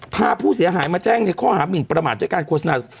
พาผู้เสียหายมาแจ้งในข้อหามินประมาทด้วยการโฆษณา